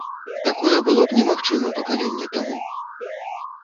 Такое было б немагчыма пакаленне таму.